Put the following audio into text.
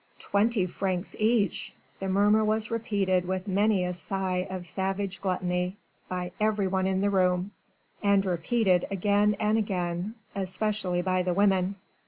"Twenty francs each...." The murmur was repeated with many a sigh of savage gluttony, by every one in the room and repeated again and again especially by the women.